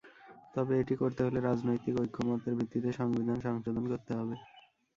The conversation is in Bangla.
তবে এটি করতে হলে রাজনৈতিক ঐকমত্যের ভিত্তিতে সংবিধান সংশোধন করতে হবে।